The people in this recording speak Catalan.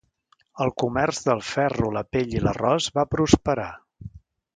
El comerç del ferro, la pell i l'arròs va prosperar.